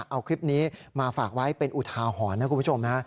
เอาคลิปนี้มาฝากไว้เป็นอุทาหรณ์นะคุณผู้ชมฮะ